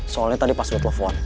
soalnya tadi pas udah telepon